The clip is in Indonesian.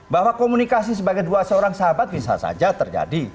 bahwa komunikasi sebagai dua seorang sahabat bisa saja terjadi